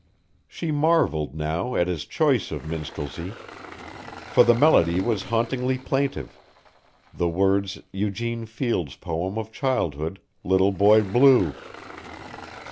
She marvelled now at his choice of minstrelsy, for the melody was hauntingly plaintive the words Eugene Field's poem of childhood, "Little Boy Blue."